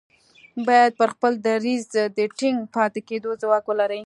بايد پر خپل دريځ د ټينګ پاتې کېدو ځواک ولري.